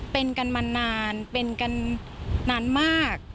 เป็นกันมานานเป็นกันนานมาก